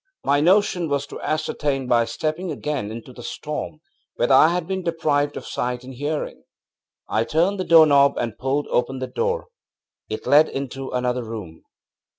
My notion was to ascertain by stepping again into the storm whether I had been deprived of sight and hearing. I turned the doorknob and pulled open the door. It led into another room!